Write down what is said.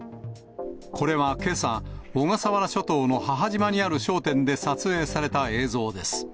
これはけさ、小笠原諸島の母島にある商店で撮影された映像です。